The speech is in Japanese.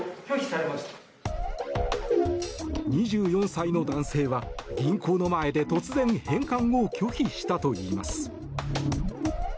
２４歳の男性は銀行の前で突然返還を拒否したといいます。